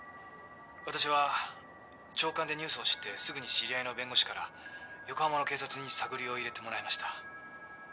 「私は朝刊でニュースを知ってすぐに知り合いの弁護士から横浜の警察に探りを入れてもらいました」